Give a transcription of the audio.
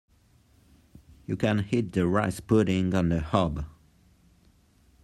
You can heat the rice pudding on the hob